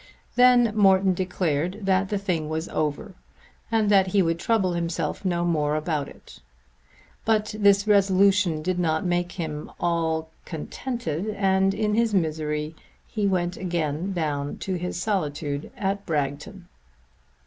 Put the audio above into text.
Then Morton declared that the thing was over and that he would trouble himself no more about it. But this resolution did not make him at all contented, and in his misery he went again down to his solitude at Bragton.